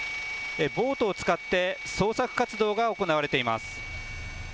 ボートを使って捜索活動が行われています。